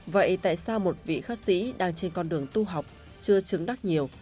vậy tại sao một vị khắc sĩ đang trên con đường tu học chưa chứng đắc nhiều